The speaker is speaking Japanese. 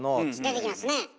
出てきますね。